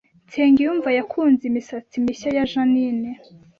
Nsengiyumva yakunze imisatsi mishya ya Jeaninne